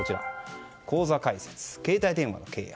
口座開設、携帯電話の契約